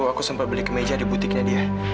aku sempat beli kemeja di butiknya dia